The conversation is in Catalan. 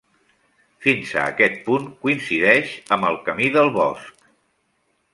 Fins a aquest punt coincideix amb el Camí del Bosc.